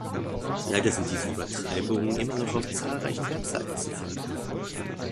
Leider sind diese Übertreibungen immer noch auf zahlreichen Webseiten zu finden.